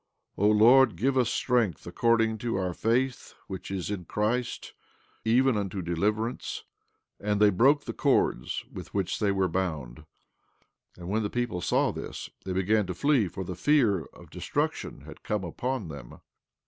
O Lord, give us strength according to our faith which is in Christ, even unto deliverance. And they broke the cords with which they were bound; and when the people saw this, they began to flee, for the fear of destruction had come upon them.